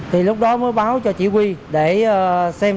thì lúc đó mới báo cho chỉ huy để xem